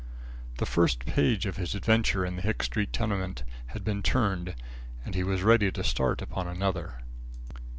The first page of his adventure in the Hicks Street tenement had been turned, and he was ready to start upon another.